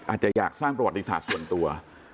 อาจจะอยากสร้างประวัติศาสตร์ส่วนตัว